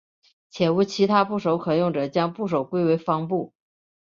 且无其他部首可用者将部首归为方部。